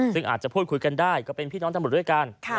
ซึ่งอาจจะพูดคุยกันได้ก็เป็นพี่น้องตำรวจด้วยกัน